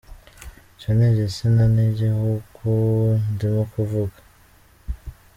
Icyo ni igitsina n’igihugu, ndimo kuvuga.